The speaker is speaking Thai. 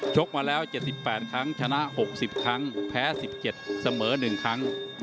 กมาแล้ว๗๘ครั้งชนะ๖๐ครั้งแพ้๑๗เสมอ๑ครั้ง